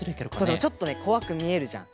そうでもちょっとねこわくみえるじゃん。